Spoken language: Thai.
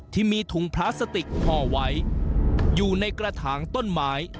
ที่มีถุงพลาสติกห่อไว้อยู่ในกระถางต้นไม้